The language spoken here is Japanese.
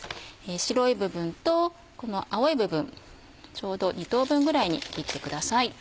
白い部分とこの青い部分ちょうど２等分ぐらいに切ってください。